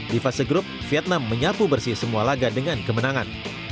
di fase grup vietnam menyapu bersih semua laga dengan kemenangan